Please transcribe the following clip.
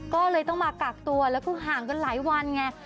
ก็เลยต้องมากักตัวแล้วก็ห่างกันหลายวันไง